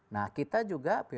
nah kita juga bumn